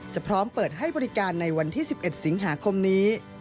พร้อมเปิดให้บริการในวันที่๑๑สิงหาคมนี้